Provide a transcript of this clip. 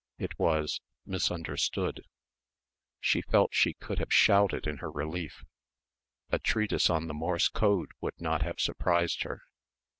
It was "Misunderstood." She felt she could have shouted in her relief. A treatise on the Morse code would not have surprised her.